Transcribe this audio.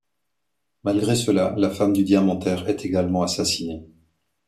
Malgré cela, la femme du diamantaire est également assassinée.